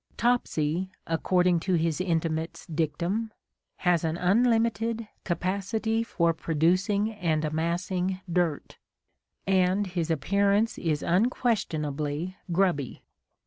Topsy," according to his intimates' dictum, has an unlimited "capacity for producing and amassing dirt," and his appearance is unquestionably grubby.